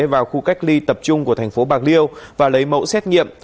vào khu cách ly tập trung của thành phố bạc liêu và lấy mẫu xét nghiệm